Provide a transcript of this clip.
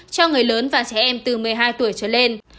cho người lớn và trẻ em từ một mươi hai tuổi trở lên